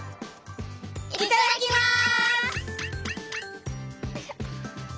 いただきます！